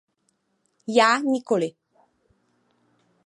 Já nikoli.